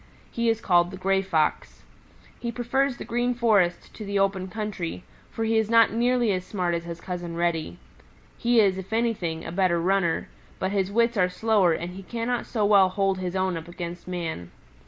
He is called the Gray Fox. He prefers the Green Forest to the open country, for he is not nearly as smart as his Cousin Reddy. He is, if anything, a better runner, but his wits are slower and he cannot so well hold his own against man.